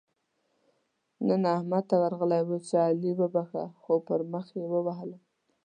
نن احمد ته ورغلی وو؛ چې علي وبښه - خو پر مخ يې ووهلم.